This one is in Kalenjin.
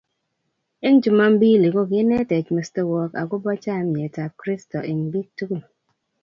Eng jumambili kokinetech mestowot akobo chamnyet ab kristo eng biik tukul